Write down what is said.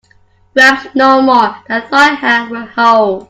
Grasp no more than thy hand will hold.